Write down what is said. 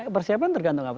persiapan tergantung apa